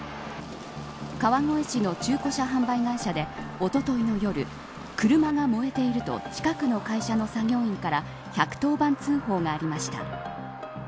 川越市の中古車販売会社でおとといの夜車が燃えていると近くの会社の作業員から１１０番通報がありました。